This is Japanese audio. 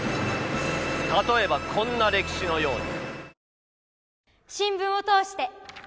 例えばこんな歴史のように。